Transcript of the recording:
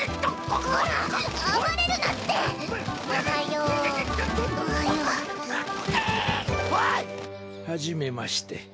おい！はじめまして。